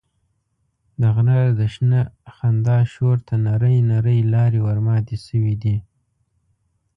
د غره د شنه خندا شور ته نرۍ نرۍ لارې ورماتې شوې دي.